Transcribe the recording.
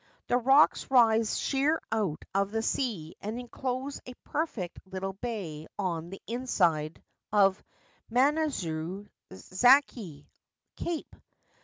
The rocks rise sheer out of the sea and enclose a perfect little bay on the inside of Manazuru Zaki (Cape).